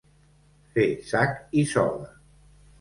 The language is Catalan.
Fer sac i soga.